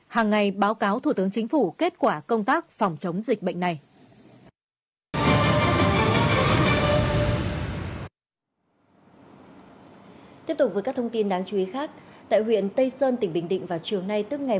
hàng ngày báo cáo thủ tướng chính phủ kết quả công tác phòng chống dịch bệnh này